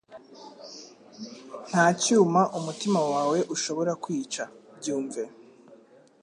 Nta cyuma umutima wawe ushobora kwica byumve